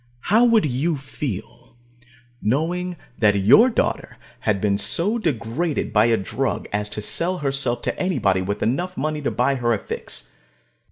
How would you feel, knowing that your daughter had been so degraded by a drug as to sell herself to anybody with enough money to buy her a fix?